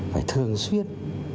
phải thường xuyên